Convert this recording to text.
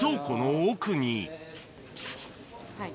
はい。